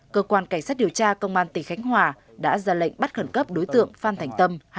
cơ quan cảnh sát điều tra công an tỉnh khánh hòa đã ra lệnh bắt khẩn cấp đối tượng phan thành tâm